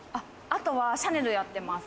あとはシャネルやってます。